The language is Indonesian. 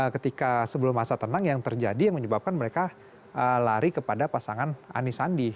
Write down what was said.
ketika sebelum masa tenang yang terjadi yang menyebabkan mereka lari kepada pasangan anisandi